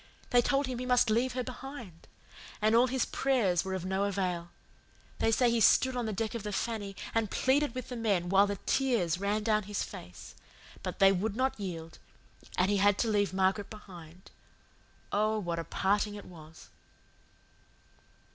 They told him he must leave her behind. And all his prayers were of no avail. They say he stood on the deck of the Fanny and pleaded with the men while the tears ran down his face; but they would not yield, and he had to leave Margaret behind. Oh, what a parting it was!"